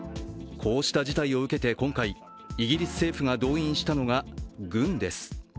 こうした事態を受けて今回イギリス政府が動員したのが軍です。